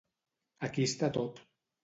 Aquí està tot.